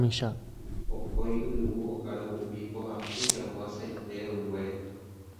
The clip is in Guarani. Pokõi yryvu okaru umi mbohapy jagua saite re'õnguére.